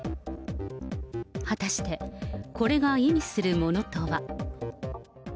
果たして、これが意味するものとは。